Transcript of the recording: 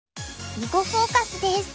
「囲碁フォーカス」です。